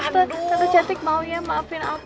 satu cantik maunya maafin aku